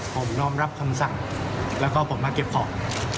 ผมน้อมรับคำสั่งแล้วก็ผมมาเก็บของ